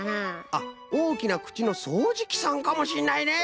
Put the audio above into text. あっおおきなくちのそうじきさんかもしんないね。